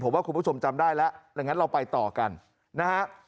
ผมว่าคุณผู้ชมจำได้แล้วอย่างนั้นเราไปต่อกันนะฮะ